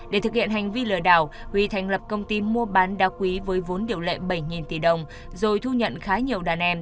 để thực hiện hành vi lừa đảo huy thành lập công ty mua bán đa quý với vốn điều lệ bảy tỷ đồng rồi thu nhận khá nhiều đàn em